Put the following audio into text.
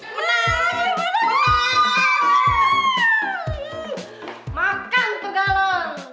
cepetan ke rumah sakit kita gak apa apa nih